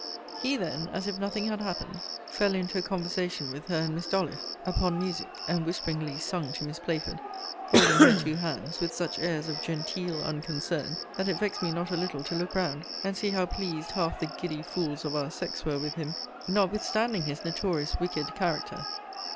He then, as if nothing had happened, fell into a conversation with her and Miss D'Ollyffe, upon music; and whisperingly sung to Miss Playford; holding her two hands, with such airs of genteel unconcern, that it vexed me not a little to look round, and see how pleased half the giddy fools of our sex were with him, notwithstanding his notorious wicked character.